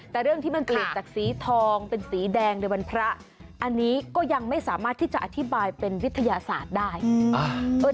แต่เรื่องที่มันเปลี่ยนจากสีทองเป็นสีแดงในวันพระอันนี้ก็ยังไม่สามารถที่จะอธิบายเป็นวิทยาศาสตร์ได้